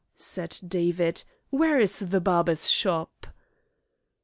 said David, "where is the barber's shop?"